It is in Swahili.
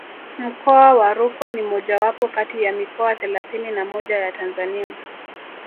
Mkoa wa Rukwa ni mojawapo kati ya mikoa thelathini na moja ya Tanzania